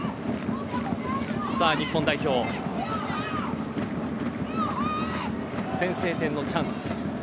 日本代表、先制点のチャンス。